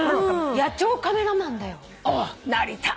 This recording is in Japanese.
野鳥カメラマンだよ。なりたい。